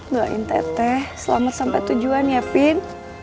doain teteh selamat sampai tujuan ya pin